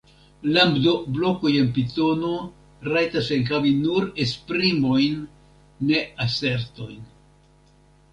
Lambdo-blokoj en Pitono rajtas enhavi nur esprimojn, ne asertojn.